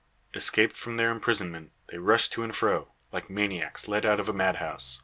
Escaped from their imprisonment, they rush to and fro, like maniacs let out of a madhouse.